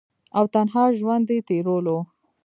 او تنها ژوند ئې تيرولو ۔